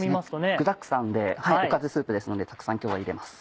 具だくさんでおかずスープですのでたくさん今日は入れます。